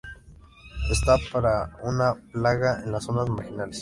Esta parra es una plaga en las zonas marginales.